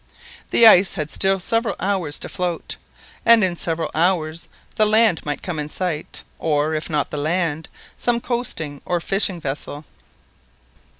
The ice had still several hours to float, and in several hours the land might come in sight, or, if not the land, some coasting or fishing vessel.